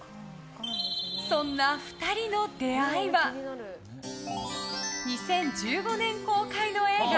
そんな２人の出会いは２０１５年公開の映画